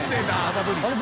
あれ？